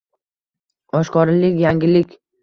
Oshkoralik — yangilik.